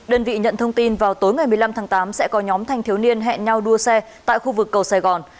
đơn vị nhận thông tin vào tối ngày một mươi năm tháng tám sẽ có nhóm thanh thiếu niên hẹn nhau đua xe tại khu vực cầu sài gòn